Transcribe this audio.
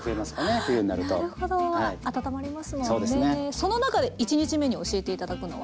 その中で１日目に教えて頂くのは？